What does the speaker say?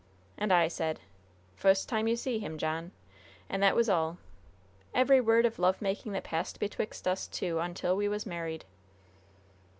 "And I said: 'Fust time you see him, John.' And that was all. Every word of love making that passed betwixt us two until we was married."